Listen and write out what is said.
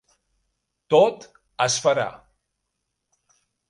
Tot es farà.